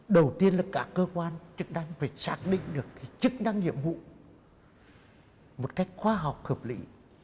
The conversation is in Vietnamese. đầu tiên là cả cơ quan chức năng phải xác định được cái chức năng nhiệm vụ một cách khoa học hợp lý